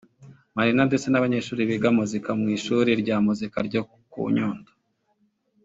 Marina ndetse n’abanyeshuri biga muzika mu ishuri rya muzika ryo ku Nyundo